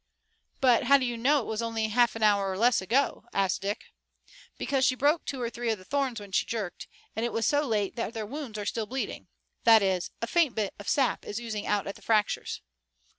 "But how do you know it was only a half hour or less ago?" asked Dick. "Because she broke two 'or three of the thorns when she jerked, and it was so late that their wounds are still bleeding, that is, a faint bit of sap is oozing out at the fractures."